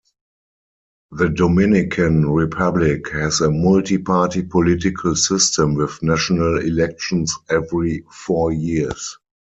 The Dominican Republic has a multi-party political system with national elections every four years.